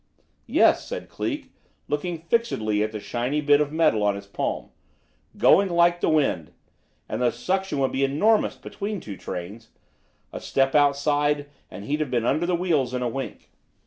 "Yes," said Cleek, looking fixedly at the shining bit of metal on his palm; "going like the wind. And the suction would be enormous between two speeding trains. A step outside, and he'd have been under the wheels in a wink.